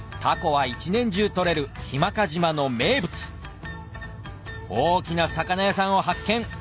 タコは一年中取れる日間賀島の名物大きな魚屋さんを発見